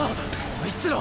あいつら。